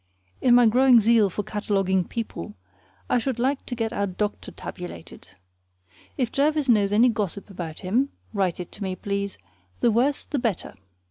In my growing zeal for cataloguing people, I should like to get our doctor tabulated. If Jervis knows any gossip about him, write it to me, please; the worse, the better.